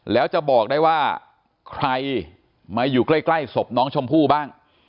แล้วจะบอกได้ว่าใครมาอยู่ใกล้ศพน้องชมพู่บ้าง